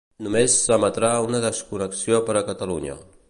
Només l'emetrà en desconnexió per a Catalunya.